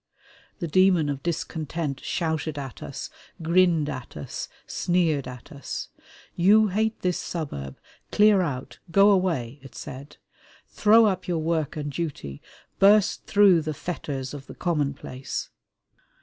The demon of discontent shouted at us, grinned at us, sneered at us. "You hate this suburb: clear out, go away!" it said. "Throw up your work and duty. Burst through the fetters of the commonplace!"